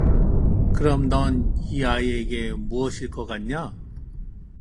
그럼 넌 이 아이에게 무엇일 것 같냐?